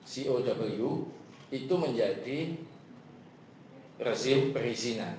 cow itu menjadi rezim perizinan